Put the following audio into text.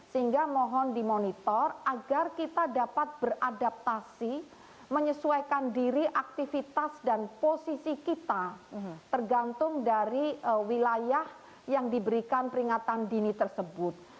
sehingga mohon dimonitor agar kita dapat beradaptasi menyesuaikan diri aktivitas dan posisi kita tergantung dari wilayah yang diberikan peringatan dini tersebut